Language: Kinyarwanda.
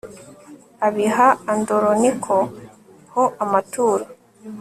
abiha andoroniko ho amaturo